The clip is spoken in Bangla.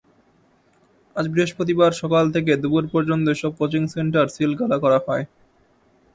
আজ বৃহস্পতিবার সকাল থেকে দুপুর পর্যন্ত এসব কোচিং সেন্টার সিলগালা করা হয়।